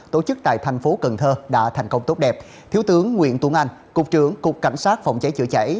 tổ chức tại tp cnh đã thành công tốt đẹp thiếu tướng nguyễn tuấn anh cục trưởng cục cảnh sát phòng cháy chữa chảy